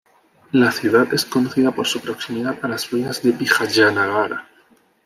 La ciudad es conocida por su proximidad a las ruinas de Vijayanagara.